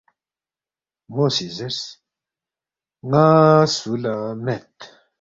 مو سی زیرس، ن٘ا سُو لہ مید